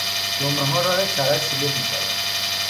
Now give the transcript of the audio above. جمعهها راه کرج شلوغ میشود.